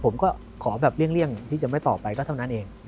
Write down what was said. ผมก็ขอแบบเลี่ยงที่จะไม่ตอบไปก็เท่านั้นเอง